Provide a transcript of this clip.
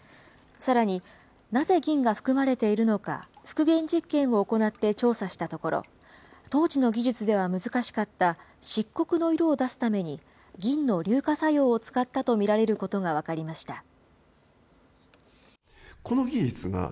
さらに、なぜ銀が含まれているのか、復元実験を行って調査したところ、当時の技術では難しかった漆黒の色を出すために、銀の硫化作用を使ったと見られることが分かりました。